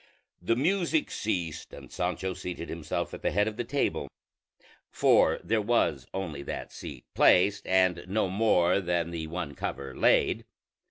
The music ceased, and Sancho seated himself at the head of the table; for there was only that seat placed, and no more than the one cover laid.